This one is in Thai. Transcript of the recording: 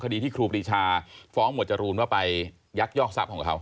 คดีที่ครูปรีชาฟ้องหมวดจรูนว่าไปยักยอกทรัพย์ของเขา